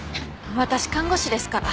私看護師ですから。